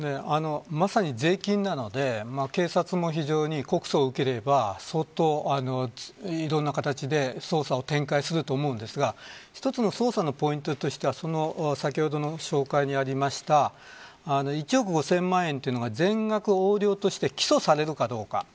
まさに、税金なので警察も非常に、告訴を受ければ相当いろんな形で捜査を展開すると思うんですが一つの捜査のポイントとしては先ほどの紹介にありました１億５０００万円というのが全額横領として起訴されるかどうか。